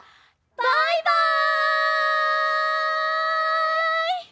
バイバイ！